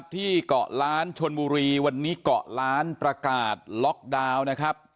ที่เกาะล้านชนบุรีวันนี้เกาะล้านประกาศล็อกดาวน์นะครับ